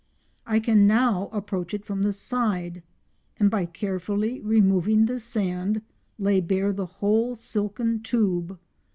I can now approach it from the side, and by carefully removing the sand, lay bare the whole silken tube.